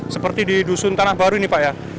seperti di dusun tanah baru ini pak ya